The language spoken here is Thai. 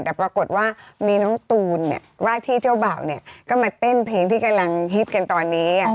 แต่ปรากฏว่ามีน้องตูนว่าที่เจ้าบ่าวเนี่ยก็มาเต้นเพลงที่กำลังฮิตกันตอนนี้